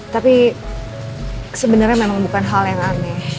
tapi sebenarnya memang bukan hal yang aneh